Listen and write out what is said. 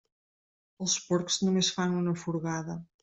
Els porcs només fan una furgada.